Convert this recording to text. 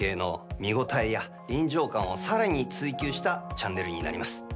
４Ｋの見応えや臨場感を、さらに追求したチャンネルになります。